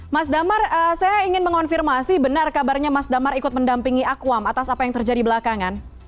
mas damar saya ingin mengonfirmasi benar kabarnya mas damar ikut mendampingi akuam atas apa yang terjadi belakangan